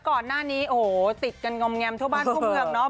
ก่อนหน้านี้โอ้โหติดกันงอมแงมทั่วบ้านทั่วเมืองเนาะ